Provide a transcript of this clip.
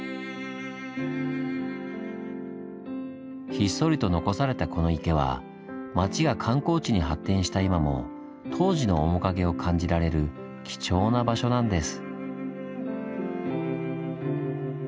ひっそりと残されたこの池は町が観光地に発展した今も当時の面影を感じられる貴重な場所なんです。